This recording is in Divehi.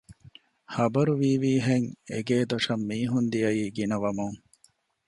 ޚަބަރު ވީވީހެން އެގޭ ދޮށަށް މީހުން ދިޔައީ ގިނަވަމުން